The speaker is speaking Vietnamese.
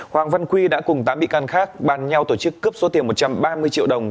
hoàng văn quy đã cùng tám bị can khác bàn nhau tổ chức cướp số tiền một trăm ba mươi triệu đồng